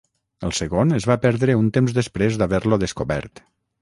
El segon es va perdre un temps després d'haver-lo descobert.